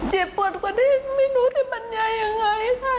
เจ็บปวดกว่าที่ไม่รู้จะบรรยายยังไงค่ะ